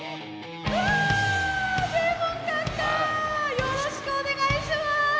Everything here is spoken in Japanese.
よろしくお願いします！